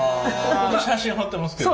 写真貼ってますけど？